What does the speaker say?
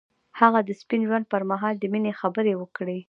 هغه د سپین ژوند پر مهال د مینې خبرې وکړې.